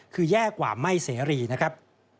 คือแย่กว่าไม่เสรีนะครับ